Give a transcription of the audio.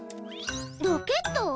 ロケット？